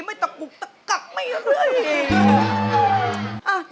ไม่ตากลุกตากลับไม่เลย